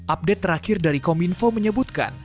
update terakhir dari kominfo menyebutkan